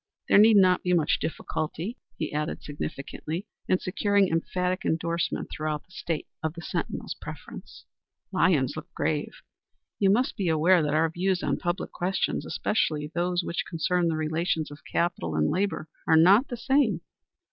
There need not be much difficulty," he added, significantly, "in securing emphatic endorsement throughout the State of the Sentinel's preference." Lyons looked grave. "You must be aware that our views on public questions especially those which concern the relations of capital and labor are not the same."